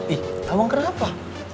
ih abang kenapa